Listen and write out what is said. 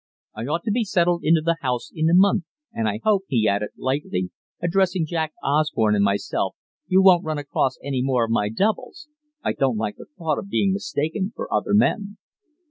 I ought to be settled into the house in a month. And I hope," he added lightly, addressing Jack Osborne and myself, "you won't run across any more of my 'doubles.' I don't like the thought of being mistaken for other men!"